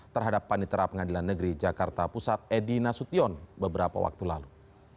terhadap panitera pengadilan negeri jakarta pusat edi nasution beberapa waktu lalu